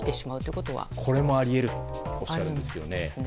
これも、あり得るとおっしゃるんですね。